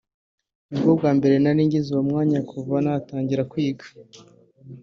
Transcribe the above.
nibwo bwa mbere nari ngize uwo mwanya kuva natangira kwiga